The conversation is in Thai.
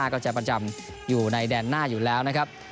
ก็จะประจำอยู่ในแดนหน้าอยู่แล้วนะครับ